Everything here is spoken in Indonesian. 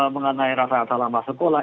mengenai rasa rasa lama sekolah